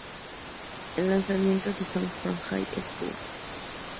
El lanzamiento de "Songs From High School.